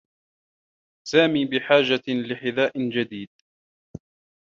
سامي بحاجة لحذاء جديد.